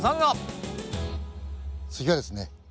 次はですね